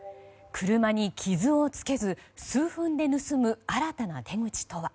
車に傷をつけず数分で盗む新たな手口とは。